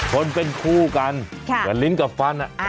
คนเป็นคู่กันแต่ลิ้นกับฟัน